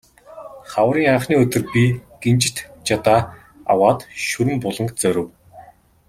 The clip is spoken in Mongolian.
Хаврын анхны өдөр би гинжит жадаа аваад Шүрэн буланг зорив.